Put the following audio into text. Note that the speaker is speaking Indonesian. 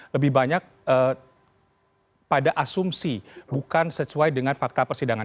lebih banyak pada asumsi bukan sesuai dengan fakta persidangan